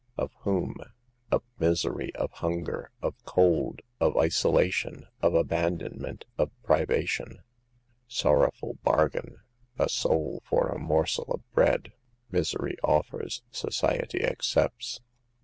" Of whom ? Of misery, of hunger, of cold, of isolation, of abandonment, of privation. Sorrowful bargain ! A soul for a morsel of bread. Misery offers, society accepts.